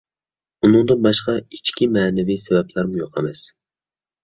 ئۇندىن باشقا، ئىچكى مەنىۋى سەۋەبلەرمۇ يوق ئەمەس.